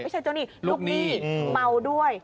ไม่ใช่เจ้าหนี้ลูกหนี้เมาด้วย